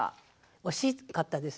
惜しかったですね。